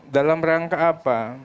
dalam rangka apa